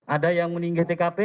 ada yang meninggal tkp